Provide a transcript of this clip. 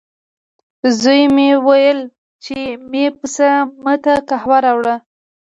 زوی مې وویل، چې مې پسه ما ته قهوه راوړه.